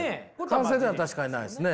完成では確かにないですね。